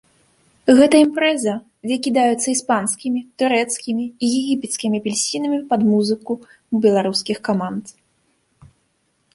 Гэта імпрэза, дзе кідаюцца іспанскімі, турэцкімі і егіпецкімі апельсінамі пад музыку беларускіх каманд.